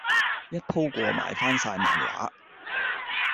一鋪過買翻曬漫畫